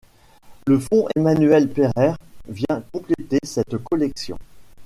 Le fond Emmanuel Pereire vient compléter cette collection.